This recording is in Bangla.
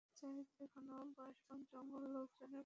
চারিদিকে ঘন বাঁশবন, জঙ্গল, লোকজনের বসতি নাই-মাগো!